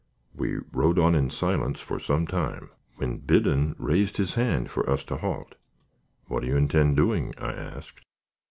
We rode on in silence for some time, when Biddon raised his hand for us to halt. "What do you intend doing?" I asked.